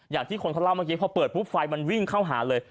อย่างที่คนเขาเล่าเมื่อกี้พอเปิดปุ๊บไฟมันวิ่งเข้าหาเลย